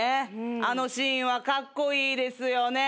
あのシーンはカッコイイですよね。